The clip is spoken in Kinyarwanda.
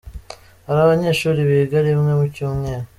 Hari abanyeshuri biga rimwe mu cyumweru.